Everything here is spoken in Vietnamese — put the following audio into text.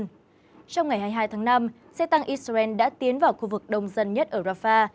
trong ngày hai mươi hai tháng năm xe tăng israel đã tiến vào khu vực đông dân nhất ở rafah